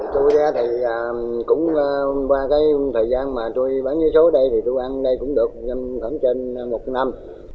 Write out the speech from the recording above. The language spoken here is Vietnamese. tôi ra thì cũng qua cái thời gian mà tôi bán giấy số ở đây thì tôi ăn ở đây cũng được khoảng trên một năm